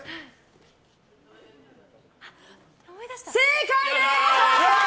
正解です！